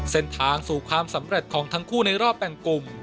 เส้นทางสู่ความสำเร็จของทั้งคู่ในรอบแบ่งกลุ่ม